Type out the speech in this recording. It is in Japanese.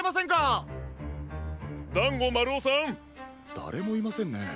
だれもいませんね。